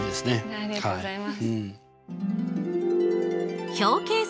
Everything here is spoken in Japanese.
ありがとうございます。